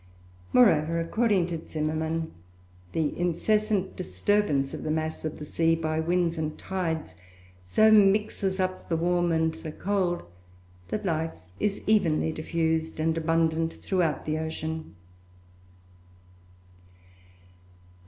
Moreover, according to Zimmermann, the incessant disturbance of the mass of the sea by winds and tides, so mixes up the warm and the cold that life is evenly diffused and abundant throughout the ocean.